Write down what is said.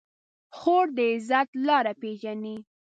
خور د عزت لاره پېژني.